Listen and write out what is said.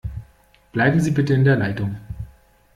Bleiben Sie bitte in der Leitung.